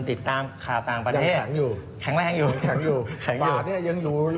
ติดตามค่าต่างประเทศยังแข็งอยู่แข็งไหมแข็งอยู่